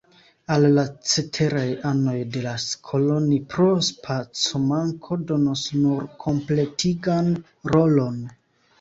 Al la ceteraj anoj de la skolo ni pro spacomanko donos nur kompletigan rolon.